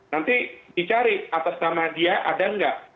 nanti dicari atas nama dia ada nggak